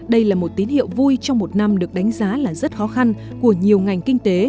đây là một tín hiệu vui trong một năm được đánh giá là rất khó khăn của nhiều ngành kinh tế